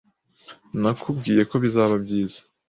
Nakubwiye ko bizaba byiza.